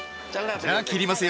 じゃ切りますよ。